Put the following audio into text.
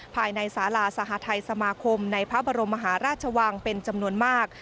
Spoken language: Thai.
ภายในสาราสหทัยสมาคมในพระบรมมหาราชวังเป็นจำนวนมาก